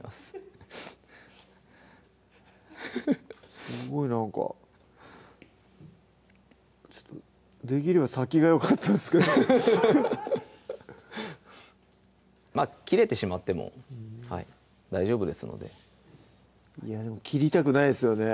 フフフすごいなんかできれば先がよかったんですけどまっ切れてしまってもはい大丈夫ですのでいやでも切りたくないですよね